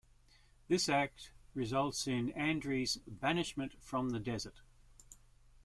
This act results in Andry's banishment from the Desert.